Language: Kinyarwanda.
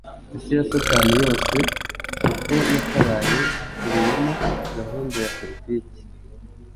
Isi ya Satani yose uko yakabaye, hakubiyemo gahunda ya politiki,